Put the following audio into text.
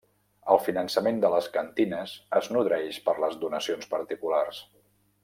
El finançament de les cantines es nodreix de les donacions particulars.